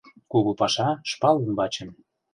Кугу паша шпал ӱмбачын